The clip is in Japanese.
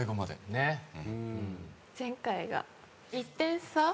前回が１点差？